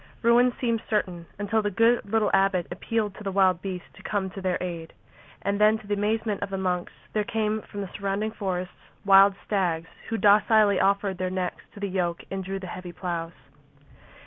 Ruin seemed certain until the good little abbot appealed to the wild beasts to come to their aid. And then, to the amazement of the monks, there came from the surrounding forests wild stags, who docilely offered their necks to the yoke and drew the heavy ploughs.